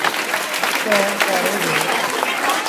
چآنه ڪآڙي دو۔